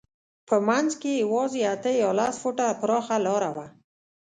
په منځ کې یې یوازې اته یا لس فوټه پراخه لاره وه.